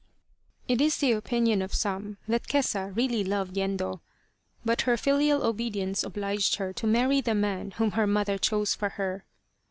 It is the opinion of some that Kesa really loved Yendo, but her filial obedience obliged her to marry the man whom her mother chose for her.